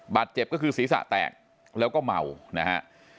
บาดเจ็บก็คือศีรษะแตกแล้วก็เมานะฮะ